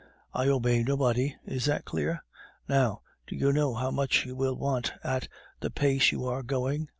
I obey nobody; is that clear? Now, do you know how much you will want at the pace you are going?